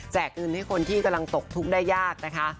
แจกจึงให้คนที่ตกทุกได้ยากนะคะ